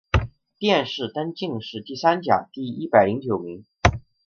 殿试登进士第三甲第一百零九名。